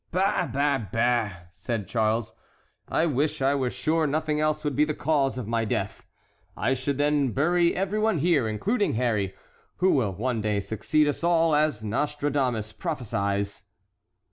"Bah! bah! bah!" said Charles; "I wish I were sure nothing else would be the cause of my death. I should then bury every one here, including Harry, who will one day succeed us all, as Nostradamus prophesies."